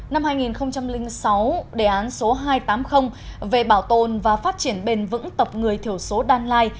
năm hai nghìn sáu đề án số hai trăm tám mươi về bảo tồn và phát triển bền vững tộc người thiểu số đan lai